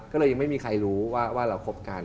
ก็เลยยังไม่มีใครรู้ว่าเราคบกัน